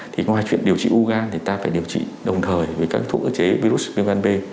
thì ngoài chuyện điều trị ugan thì ta phải điều trị đồng thời với các thuốc cơ chế virus viêm gan b